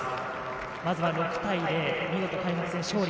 まずは６対０、見事開幕戦勝利。